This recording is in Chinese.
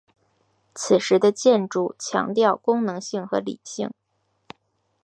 此时的建筑强调功能性和理性。